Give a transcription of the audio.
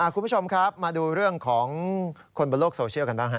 คุณผู้ชมครับมาดูเรื่องของคนบนโลกโซเชียลกันบ้าง